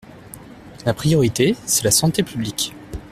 La priorité, c’est la santé publique.